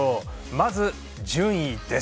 まず、順位です。